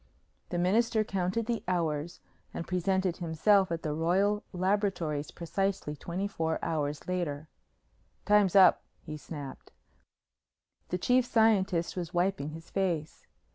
The Minister counted the hours and presented himself at the Royal Laboratories precisely twenty four hours later. "Time's up," he snapped. The Chief Scientist was wiping his face.